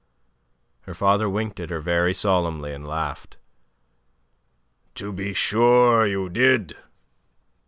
Her father winked at her very solemnly and laughed. "To be sure, you did.